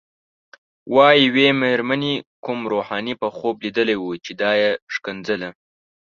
وايي یوې مېرمنې کوم روحاني په خوب لیدلی و چې دا یې ښکنځله.